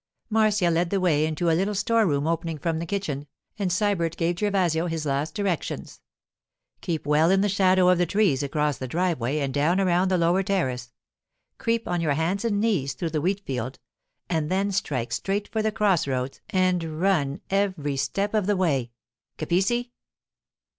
Marcia led the way into a little store room opening from the kitchen, and Sybert gave Gervasio his last directions. 'Keep well in the shadow of the trees across the driveway and down around the lower terrace. Creep on your hands and knees through the wheat field, and then strike straight for the cross roads and run every step of the way. _Capisci?